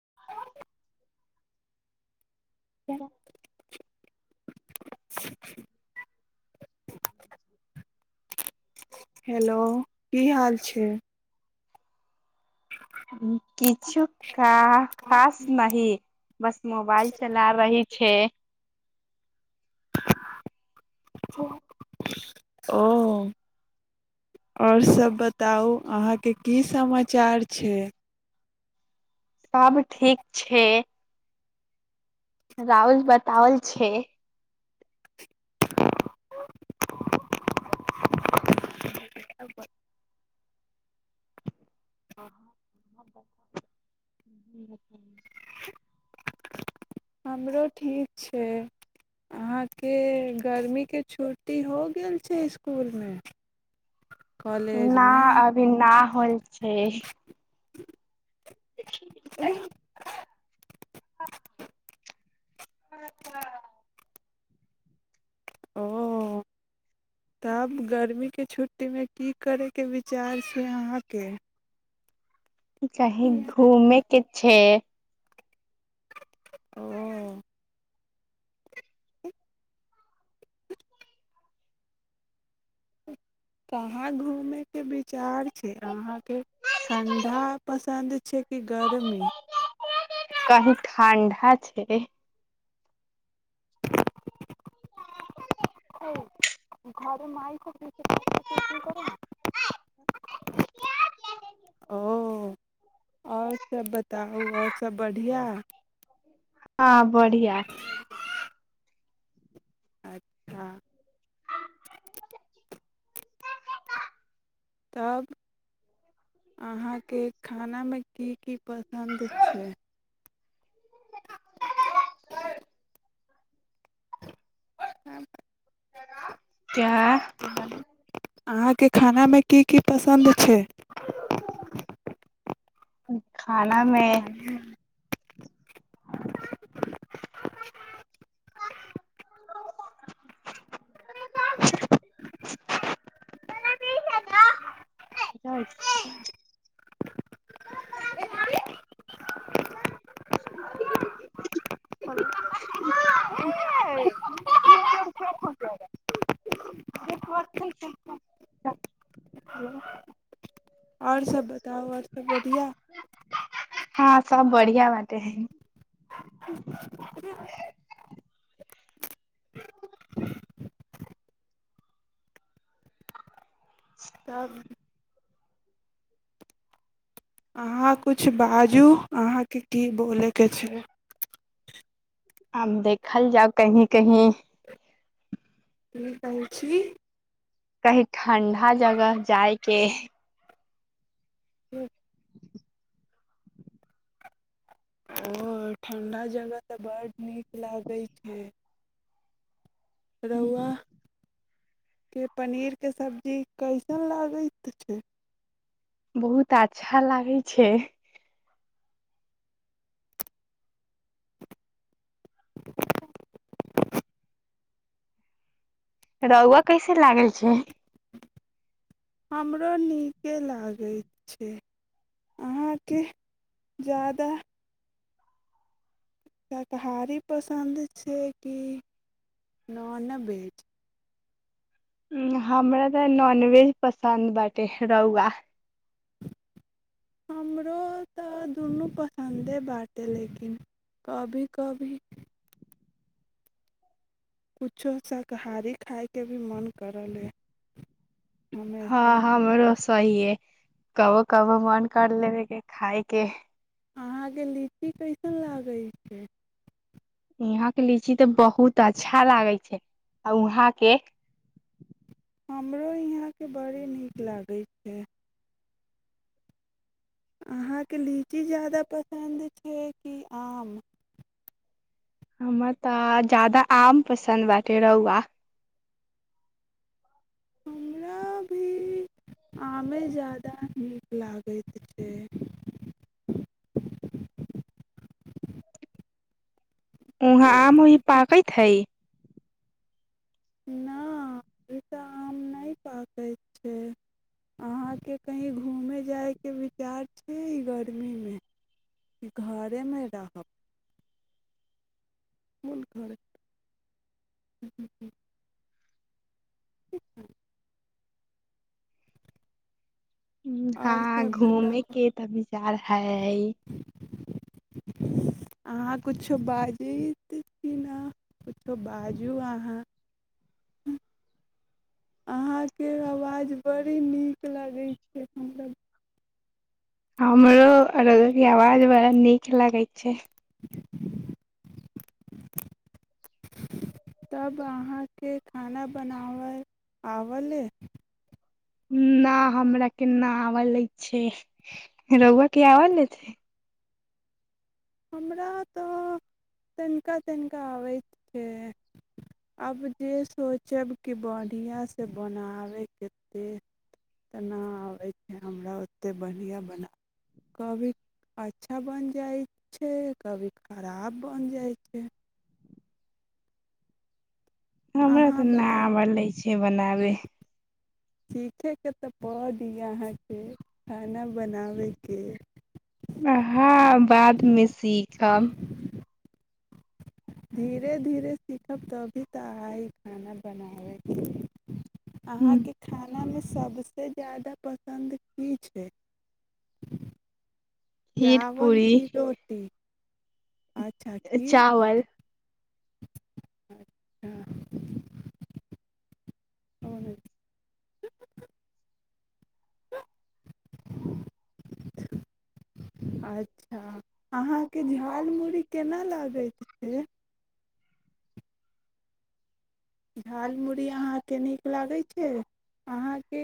[inaudible] क [inaudible] [inaudible] हेलो की हाल छै ह किछु खास नहि बस मोबाइल चला रही छ ओ आओर सभ बताउ अहाँके की समाचार छै सब ठीक छै रउल बताओल छै [inaudible] आ [inaudible] हमरो ठीक छै से अहाँके गर्मीके छुट्टी हो गेल छै इसकुलमे न अभी न होल छै ह अचछा ओ तब गर्मी के छुट छुटी मे की करैके विचार छै अहाँके चाही घूमे के छै ओ कहाँ घूमे के विचार छै अहाँके ठण्डा पसन्द छै कि गरम कहि ठण्डा छै घर मइ ख कर ओ आओर सभ बताउ आओर सभ बढ़िआँ ह बढ़िआ अच्छा तब अहाँके खानामे की की पसन्द छै हँ क्या अहाँके खानामे की की पसन्द छै ह खानामे [unintelligible] [unintelligible] [unintelligible] [unintelligible] आओर सभ बताउ आओर सभ बढ़िआ हँ सब बढ़िआ बाते है [unintelligible] तब अहाँ किछु बाजू अहाँके की बोलयके छै आब देखल जाउ कहीं कहीं की कहै छी कही ठण्डा जगह जायके ह्म ओ ठण्डा जगह तऽ बड नीक लागै छै रआ के पनीरके सब्जी कैसन लागैत छै बहुत अच्छा लागै छै रहौ कैसे लागै छै हमराो नीके लागल करै छै अहाँके जा्यदा शाकारी पसन्द छै कि नॉनवेज ह हमरा तऽ नॉनवेज पसन्द बे रहौआा हमरो तऽ दुनू पसन्दे बात अइ लेकिन कभी कभी किछो शाकाहारी खायके भी मन करल अइ हँ ह हमरो सही है कहोो कबो मन कर लेबे के खाायके अहाँके लीची कैसन लागै छै यहााँ के लीची तऽ बहुत अच्छा लागे छै आ वहाँ के हमरो यहाँके बड़ी नीक लागै छै अहाँके लीची ज्यादा पसन्द छै कि आम हमरा तऽ ज्यादा आम पसन्द बटे रहुआ हमरा भी आमे ज्यादा नीक लागैत छै वहाँ आम भी किछु पाकैत हइ नहि तऽ आम नहि पाकै छै अहाँके कहीँ घूमय जायके विचार छियै ई गर्मीमे कि घरेमे रहब फूल घर ह ह ठ आओर हँ सब घूमे बताउ के तऽ विचार है अहाँ किछो बाजैत छी ने किछो बाजू अहाँ अहाँके आवाज बड़ी नीक लगै छै हमरा हमरो आवाज बड़ा नीक लागै छै तब अहाँके खाना बनाबय आबल न हमरा केना आवल लै छै रहुआ के आवल ल छै हमरा तऽ तनिका तनिका अबैत छै आब जे सोचब कि बढ़िआँसँ बनाबयकेतेक तेना आबै छै हमरा ओतेक बढ़िआँ बना कभी अच्छा बनि जाइ छै कभी खराब बनि जाइ छै हमरा अहाँ तऽ बताउ नब ले छै बनाबै सीखयके तऽ पड़ दी अहाँके खाना बनाबयके आहँ बादमे सीखा धीरे धीरे सीखब तभी तऽ अहाँ खाना बनाबैके अहाँके खानामे सबसँ ज्यदा पसन्द की छै खीर चावल पूरी की रोटी अच्छा खीर पूरी चावल अच्छा आर आज अच्छ अहाँके झाल मही केना लगैत छै झाल मही अहाँके नीक लागै छै अहाँके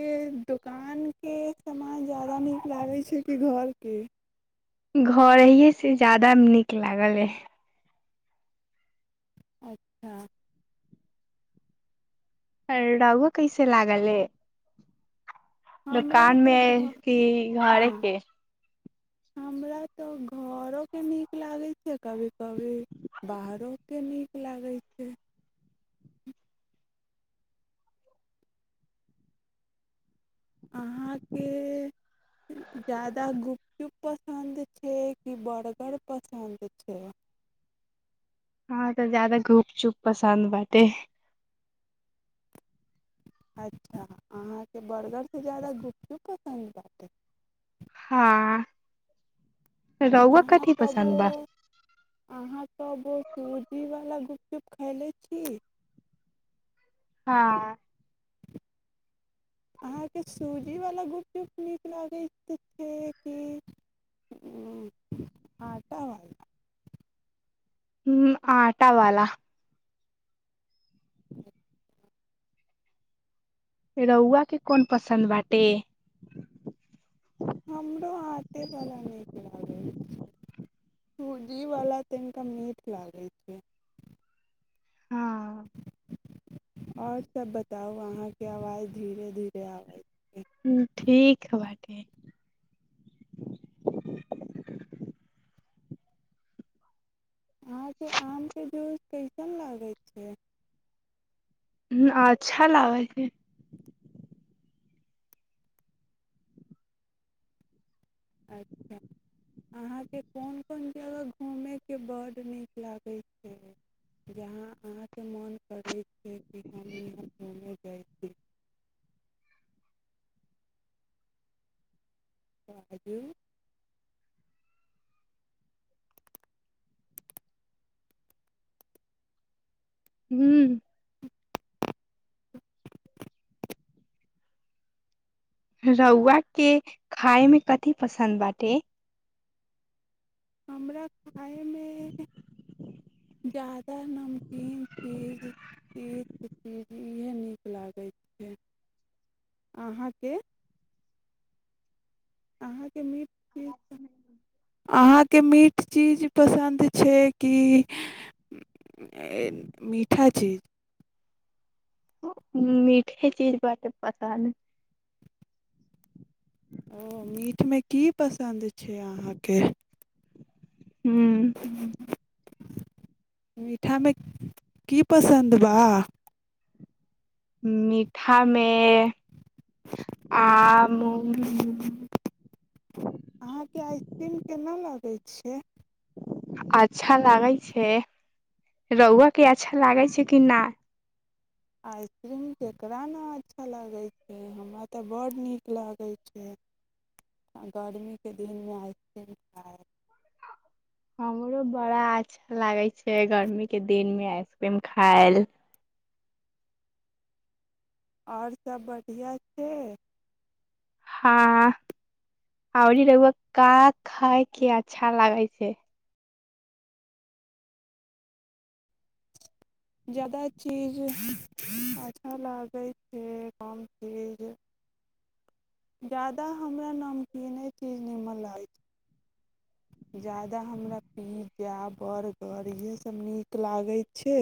दोकानके सामान ज्यादा नीक लागै छै कि घरके घर हहिये से ज्यादा नीक लागल अइ अच्छा हर रगो कैसे लागलै हमरा दुोकान मे तऽ घर की घरे हँ के हमरा तऽ घरोके नीक लागै छै कभी कभी बाहरोके नीक लागै छै अहाँके जा्यादा गुपचुप पसन्द छै कि बर्गर पसन्द छै हँ तऽ ज्यादा धुप चुप पसन्द बाते अच्छा अहाँके बर्गरसँ ज्यादा गुखू पसन्द पतै हँ रौआ अहाँ कथी सब पसन्द बा अहाँ सब सूजीवालु चुप खैले छी हँ अहाँके सूजीवला गुपचुप नीक लागै तऽ छै कि आटावला ह आ आटा वाल रौआ के कोन पसन्द बाटे हमरो आटेवला नीक लागै छै पूजीवला तनिका मीठ लागै छै हँ आओर सबब बताउ अहाँके आवाज़ धीरे धीरे आवाज ह ठीक ह बाटी अहाँके आमके जूस कैसन लागै छै ह अच्छा लागै छै अच्छा अहाँके कोन कोन जगह घूमयके बड्ड नीक लागै छै जहाँ अहाँके मोन करै छै कि हम यहाँ घूमय जाइ छी आाजू हू [unintelligible] रौआ के खाय मे कथिी पसन्द बाटे हमरा खायमे ज्यादा नमकीन चीज तीत चीज इएह नीक लागै छै अहाँके अहाँके मीट अहाँके मीठ चीज पसन्द छै कि मीठा चीज मीठे चीज ब पसन्द ओ मीठ मे की पसन्द छै छै अहाँके ह ह्म मीठामे की पसन्द बा मीठामे आम अहा के आइसक्रीम केना लागे छै छैे अच्छा लागै छै रहुआके अच्छा लागै छै कि नहि आइसक्रीम ककरा ने अच्छा लगै छै हमरा तऽ बड नीक लागै छै गरमीके दिनमे आइसक्रीम खाइ हमरो बड़ा अच्छा लागै छै गर्मीके दिनमे आइसक्रीम खायल आओर सभ बढ़िआँ छै हँ आरी लगग का खायके अच्छा लागै छै जादा चीज अच्छा लागै छै कम चीज ज्यादा हमरा नमकीने ची निीमल अछि ज्यादा हमरा पिज्जा बर्गर इएहसभ नीक लागै छै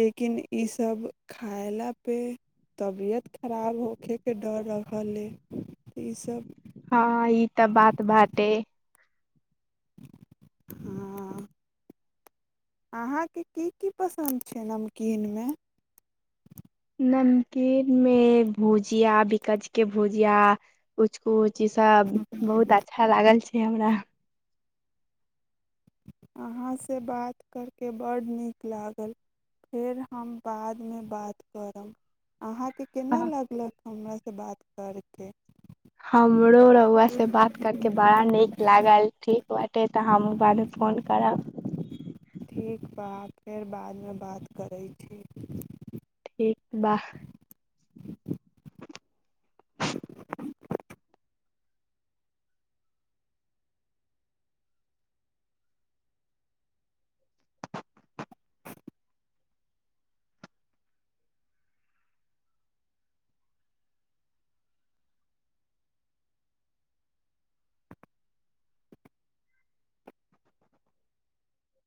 लेकिन इसभ खायलापे तबियत खराब होखयके डर रहल अइ ईसभ हँ ई तऽ बात बाते हँ ह अहाँके की की पसन्द छै नमकीनमे नमकीन मे भुजिया बिकाज के भुजिया कुछ कुछ ची सब बहुत अच्छा लागल छै हमरा अहाँसँ बात कर कऽ बड्ड नीक लागल फेर हम बादमे बात करब अहाँके केना लागलक हमरासँ बात करके हमरो रौआ से बात करके बड़ा नीक करके लागल ठीक बे तऽ हम ब फोन करड़ा कृ व फेर बादमे बात करैत छी ठीक वाह [inaudible]